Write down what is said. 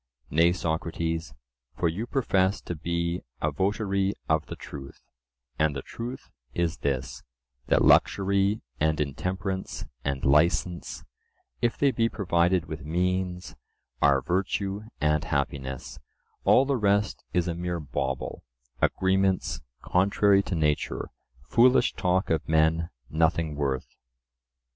Nay, Socrates, for you profess to be a votary of the truth, and the truth is this:—that luxury and intemperance and licence, if they be provided with means, are virtue and happiness—all the rest is a mere bauble, agreements contrary to nature, foolish talk of men, nothing worth.